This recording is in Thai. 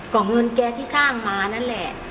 ก็เงินแกที่สร้างมานั่นแหละ